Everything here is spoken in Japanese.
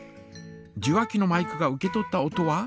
受話器のマイクが受け取った音は。